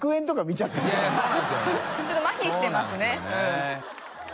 ちょっとまひしてますね。